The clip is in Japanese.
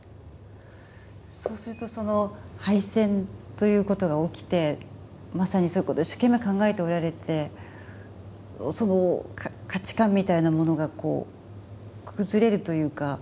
そうするとその敗戦ということが起きてまさにそういうことを一生懸命考えておられてその価値観みたいなものが崩れるというか何かその。